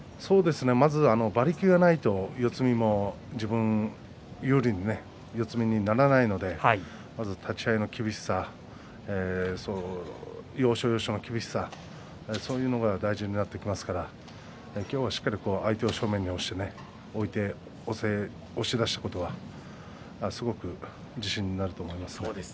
まず馬力がないと四つ身も自分有利に四つ身にならないのでまず立ち合いの厳しさ要所要所の厳しさ、そういうのが大事になってきますから今日はしっかり相手を正面に置いて押し出すことがすごく自信になると思います。